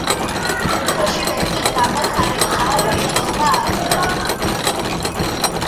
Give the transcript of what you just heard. უხეში ბეწვის გამო სარეწაო მნიშვნელობა აქვს.